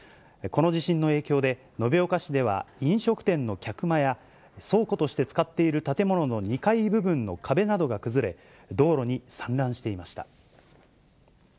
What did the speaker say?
この地震の影響で、延岡市では飲食店の客間や、倉庫として使っている建物の２階部分の壁などが崩れ、道路に散乱していました。